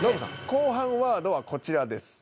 後半ワードはこちらです。